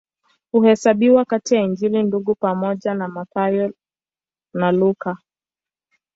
Huhesabiwa kati ya Injili Ndugu pamoja na Mathayo na Luka.